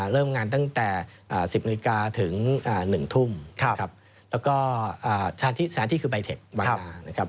เริ่มงานตั้งแต่๑๐นาฬิกาถึง๑ทุ่มครับแล้วก็สถานที่คือใบเทควันนานะครับ